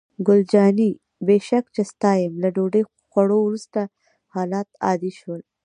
ګل جانې: بې شک چې ستا یم، له ډوډۍ خوړو وروسته حالات عادي شول.